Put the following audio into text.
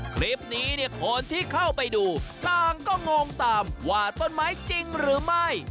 คลิปนี้เนี่ยคนที่เข้าไปดูต่างก็งงตามว่าต้นไม้จริงหรือไม่